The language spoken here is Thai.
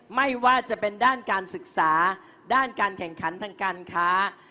ไม่ว่าจะเป็นด้านการศึกษาด้านการแข่งขันทางการค้า